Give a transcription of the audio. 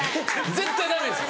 絶対ダメですよ。